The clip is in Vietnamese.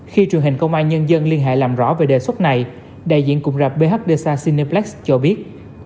khi truyền hình công an nhân dân liên hệ làm rõ về đề xuất này đại diện cùng rạp bhdsa cineplex cho biết